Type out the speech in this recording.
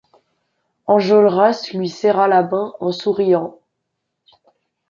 Enjolras lui serra la main en souriant.